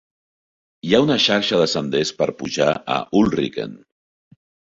Hi ha una xarxa de senders per pujar a Ulriken.